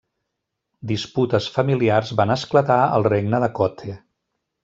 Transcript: Disputes familiars van esclatar al regne de Kotte.